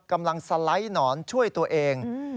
กำลังสไลด์หนอนช่วยตัวเอง